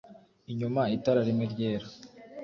inyuma itara rimwe ryera